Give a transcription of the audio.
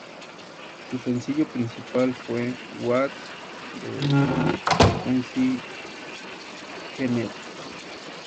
Su sencillo principal fue "What's the Frequency, Kenneth?".